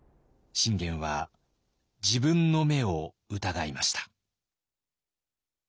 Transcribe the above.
信玄は自分の目を疑いました。